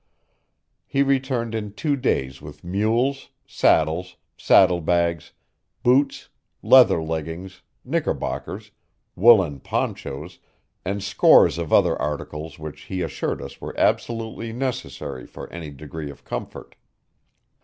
He returned in two days with mules, saddles, saddle bags, boots, leather leggings, knickerbockers, woolen ponchos, and scores of other articles which he assured us were absolutely necessary for any degree of comfort.